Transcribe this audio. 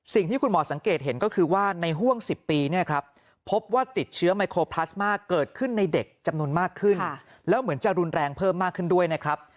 สิ่งที่คุณหมอสังเกตเห็นก็คือว่าในห่วง๑๐ปีเนี่ยครับพบว่าติดเชื้อไมโครพลาสมาเกิดขึ้นในเด็กจำนวนมากขึ้นแล้วเหมือนจะรุนแรงเพิ่มมากขึ้นด้วยนะครับ